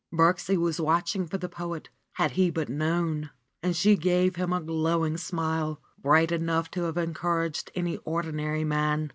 Birksie was watching for the poet, had he but known ! And she gave him a glowing smile, bright enough to have encouraged any ordinary man.